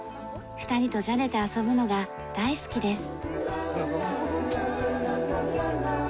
２人とじゃれて遊ぶのが大好きです。